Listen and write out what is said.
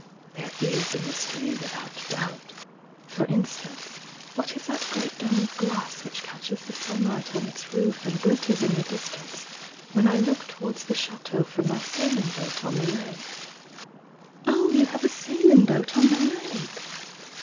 There is a mystery without doubt. For instance, what is that great dome of glass which catches the sunlight on its roof and glitters in the distance, when I look towards the Chateau from my sailing boat on the lake ?" "Oh, you have a sailing boat on the lake?"